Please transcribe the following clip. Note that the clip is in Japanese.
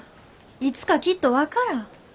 いつかきっと分からあ。